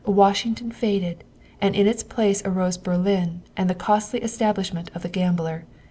Washington faded, and in its place arose Berlin and the costly establishment of the gambler.